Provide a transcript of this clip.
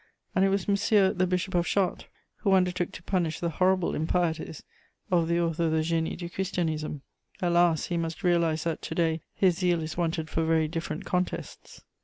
And it was M. the Bishop of Chartres who undertook to punish the horrible impieties of the author of the Génie du Christianisme. Alas, he must realize that to day his zeal is wanted for very different contests!